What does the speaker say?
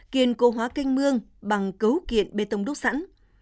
kiên cố hóa kênh mương bằng cấu kiện bê tông đúc sẵn